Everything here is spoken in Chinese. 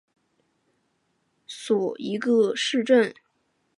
尼基福罗沃市镇是俄罗斯联邦沃洛格达州乌斯秋日纳区所属的一个市镇。